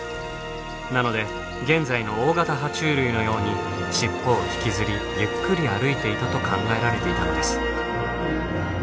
なので現在の大型は虫類のように尻尾を引きずりゆっくり歩いていたと考えられていたのです。